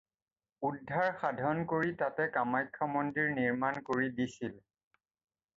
উদ্ধাৰ সাধন কৰি তাতে কামাখ্যা মন্দিৰ নিৰ্মাণ কৰি দিছিল।